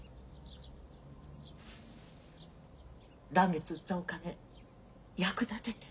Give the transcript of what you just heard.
嵐月売ったお金役立てて。